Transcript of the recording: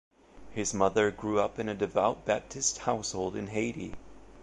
His mother grew up in a devout Baptist household in Haiti.